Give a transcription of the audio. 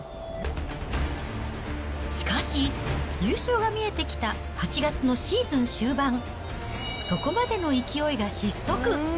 しかし、優勝が見えてきた８月のシーズン終盤、そこまでの勢いが失速。